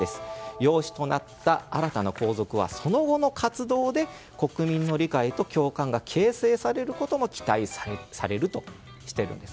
養子となった新たな皇族はその後の活動で国民の理解と共感が形成されることも期待されるとしているんです。